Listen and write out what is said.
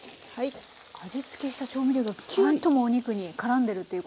味付けした調味料がきゅっともうお肉にからんでるということですね。